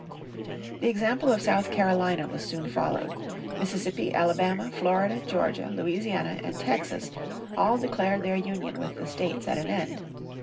The example of South Carolina was soon followed. Mississippi, Alabama, Florida, Georgia, Louisiana and Texas all declared their union with the States at an end.